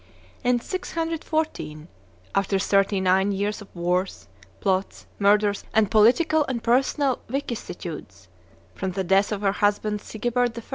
In 614, after thirty nine years of wars, plots, murders, and political and personal vicissitudes, from the death of her husband Sigebert I.